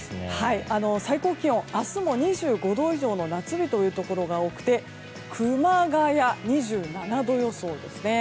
最高気温、明日も２５度以上の夏日というところが多くて熊谷、２７度予想ですね。